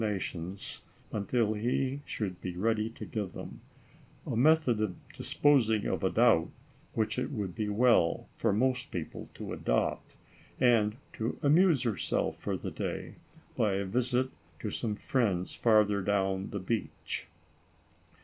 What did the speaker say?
nations, until he should be ready to give them, a method of disposing of a doubt, which it would be well for most people to adopt, and to amuse herself for the day, by a visit to some friends farther down the beach.